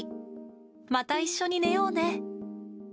また一緒に寝ようね。